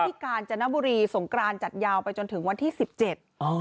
กาญจนบุรีสงกรานจัดยาวไปจนถึงวันที่สิบเจ็ดอ๋อ